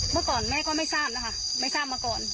เมื่อก่อนแม่ก็ไม่ทราบนะคะไม่ทราบมาก่อน